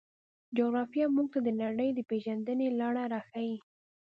جغرافیه موږ ته د نړۍ د پېژندنې لاره راښيي.